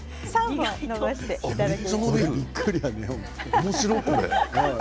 おもしろい、これ。